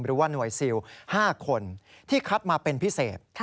หรือว่าหน่วยซิล๕คนที่คัดมาเป็นพิเศษ